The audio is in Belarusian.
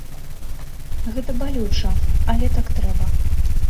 Гэта балюча, але так трэба.